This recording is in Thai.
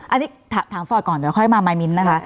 อันนี้ถามฟอร์ตก่อนเดี๋ยวค่อยมาไยมิ้นท์นะคะ